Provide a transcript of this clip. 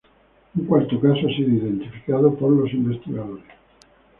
Un cuarto caso ha sido identificado por los investigadores.